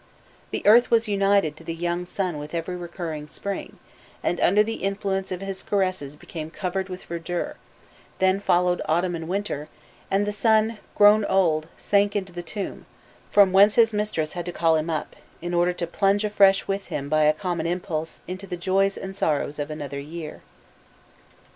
The earth was united to the young sun with every recurring spring, and under the influence of his caresses became covered with verdure; then followed autumn and winter, and the sun, grown old, sank into the tomb, from whence his mistress had to call him up, in order to plunge afresh with him by a common impulse into the joys and sorrows of another year.